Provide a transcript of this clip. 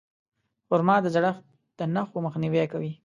خرما د زړښت د نښو مخنیوی کوي.